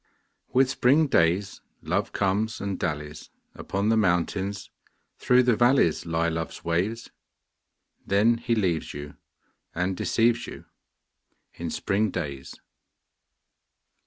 With spring days Love comes and dallies: Upon the mountains, through the valleys Lie Love's ways. Then he leaves you and deceives you In spring days.